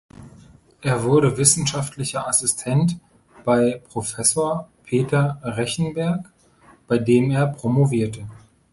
Er wurde wissenschaftlicher Assistent bei Professor Peter Rechenberg, bei dem er promovierte.